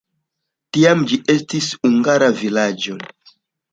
Tiam ĝi estis hungara vilaĝo.